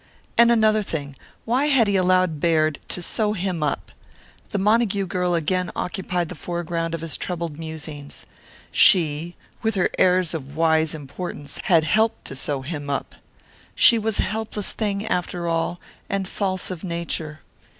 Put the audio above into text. And another thing why had he allowed Baird to "sew him up"? The Montague girl again occupied the foreground of his troubled musings. She, with her airs of wise importance, had helped to sew him up. She was a helpless thing, after all, and false of nature.